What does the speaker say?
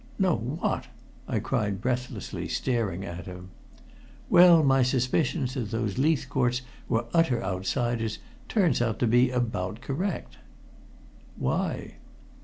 "No. What?" I cried breathlessly, staring at him. "Well, my suspicions that those Leithcourts were utter outsiders turns out to be about correct." "Why?"